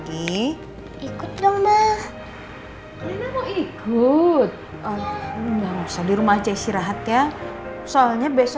ini pak randy udah dateng bu